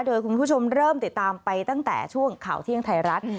โดยคุณผู้ชมเริ่มติดตามไปตั้งแต่ช่วงข่าวเที่ยงไทยรัฐ